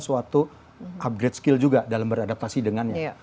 suatu upgrade skill juga dalam beradaptasi dengannya